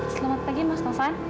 selamat pagi mas taufan